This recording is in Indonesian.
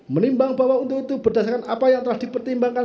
menimbang bahwa untuk itu berdasarkan apa yang telah dipertimbangkan